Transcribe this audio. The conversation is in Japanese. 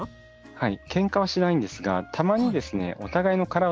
はい。